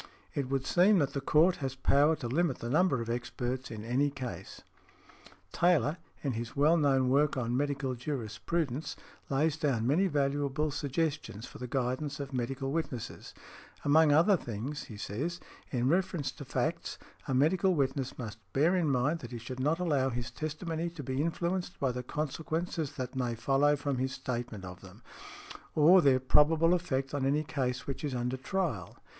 It would seem that the court has power to limit the number of experts in any case . Taylor, in his well known work on "Medical Jurisprudence," lays down many valuable suggestions for the guidance of medical witnesses; among other things, he says, "In reference to facts, a medical witness must bear in mind that he should not allow his testimony to be influenced by the consequences that may follow from his statement of them, or there probable effect on any case which is under trial.